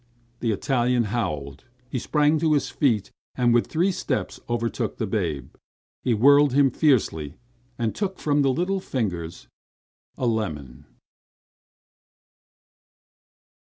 The Italian howled. He sprang to his feet, and with three steps overtook the babe. He whirled him fiercely, and took from the little fingers a lemon.